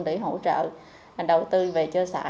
để hỗ trợ đầu tư về chơi xã